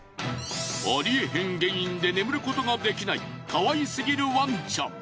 ありえへん原因で眠ることができないかわいすぎるワンちゃん。